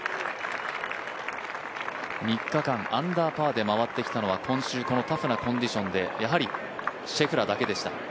３日間アンダーパーで回ってきたのは今週タフなコンディションでやはりシェフラーだけでした。